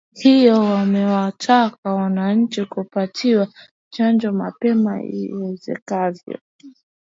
hiyo wamewataka wananchi kupatiwa chanjo mapema iwezekanavyo